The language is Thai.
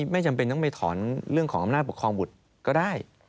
ไม่จำเป็นต้องไปถอนเรื่องของอำนาจปกครองบุตรก็ได้